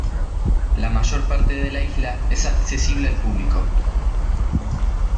La mayor parte de la isla es accesible al público.